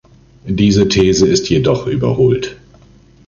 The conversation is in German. Diese These ist jedoch überholt.